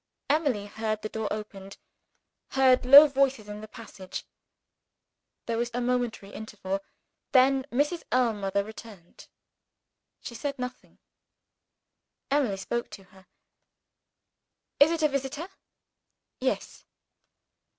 Emily heard the door opened heard low voices in the passage. There was a momentary interval. Then, Mrs. Ellmother returned. She said nothing. Emily spoke to her. "Is it a visitor?" "Yes."